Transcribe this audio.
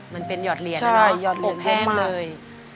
มันเป็นหยอดเหรียญนะเนอะอบแพงเลย